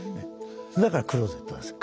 だからクローゼットです。